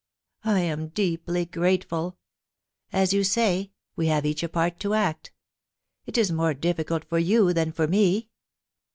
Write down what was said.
I am deeply grateful. As you say, we have each a part to act It is more difficult for you than for me.'